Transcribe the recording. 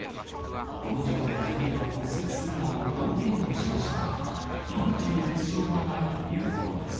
この事故で２人は骨折するなど、大けがをしましたが、命に別状はないということです。